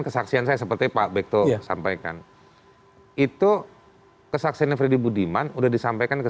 kesaksian saya seperti pak bekto sampaikan itu kesaksiannya freddy budiman udah disampaikan ke